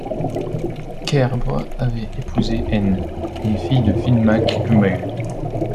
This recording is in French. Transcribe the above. Cairbre avait épousé Aine, une fille de Finn Mac Cumaill.